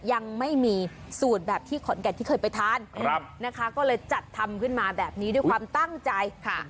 ยังไม่มีสูตรแบบที่ขอนแก่นที่เคยไปทานนะคะก็เลยจัดทำขึ้นมาแบบนี้ด้วยความตั้งใจค่ะ